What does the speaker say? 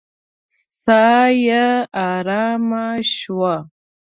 ساه يې آرامه شوه.